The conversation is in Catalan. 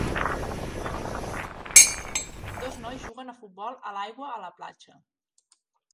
Dos nois juguen a futbol a l'aigua a la platja.